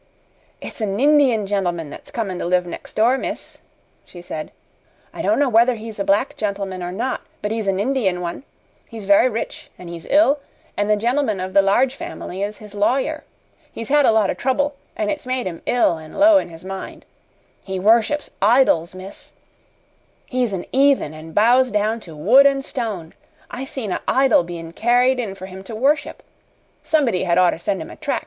"It's a' Nindian gentleman that's comin' to live next door, miss," she said. "I don't know whether he's a black gentleman or not, but he's a Nindian one. He's very rich, an' he's ill, an' the gentleman of the Large Family is his lawyer. He's had a lot of trouble, an' it's made him ill an' low in his mind. He worships idols, miss. He's an 'eathen an' bows down to wood an' stone. I seen a' idol bein' carried in for him to worship. Somebody had oughter send him a trac'.